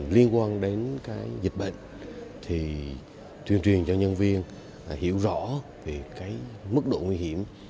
liên quan đến dịch bệnh thì truyền truyền cho nhân viên hiểu rõ về mức độ nguy hiểm